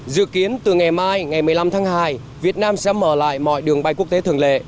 dự kiến từ ngày mai ngày một mươi năm tháng hai việt nam sẽ mở lại mọi đường bay quốc tế thường lệ